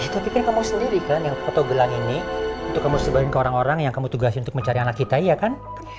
tapi kan kamu sendiri kan yang foto gelang ini untuk kamu sebarin ke orang orang yang kamu tugasin untuk mencari anak kita iya kan